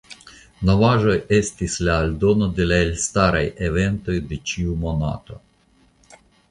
Novaĵoj estis la aldono de la elstaraj eventoj de ĉiu monato.